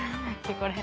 これ。